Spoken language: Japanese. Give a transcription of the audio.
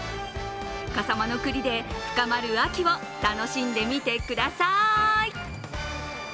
笠間の栗で深まる秋を楽しんでみてください。